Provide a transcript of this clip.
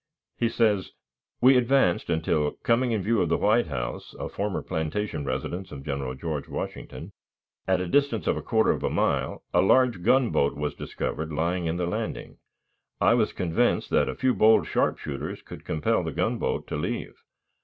He says: "We advanced until, coming in view of the White House (a former plantation residence of General George Washington), at a distance of a quarter of a mile, a large gunboat was discovered lying at the landing. ... I was convinced that a few bold sharpshooters could compel the gunboat to leave.